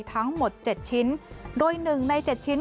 ทั้งหมดเจ็ดชิ้นโดยหนึ่งในเจ็ดชิ้น